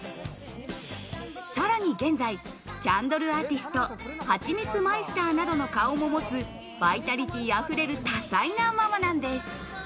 さらに現在、キャンドルアーティスト、ハチミツマイスターなどの顔も持つ、バイタリティーあふれる多才なママなんです。